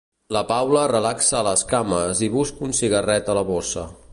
La Paula relaxa les cames i busca un cigarret a la bossa.